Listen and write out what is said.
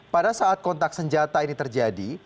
pada saat kontak senjata ini terjadi